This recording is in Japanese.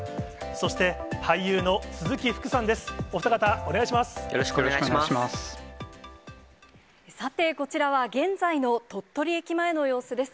そして、俳優の鈴木福さんです。